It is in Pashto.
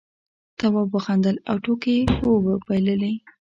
تواب وخندل او ټوکې یې وبللې.